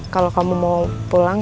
kalau kamu mau pulang